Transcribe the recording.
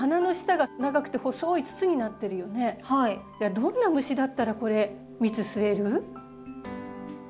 どんな虫だったらこれ蜜吸える？